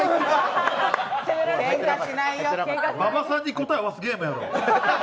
馬場さんに答え合わすゲームやろ。